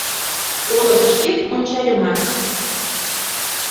Олыкышкет ончальымат -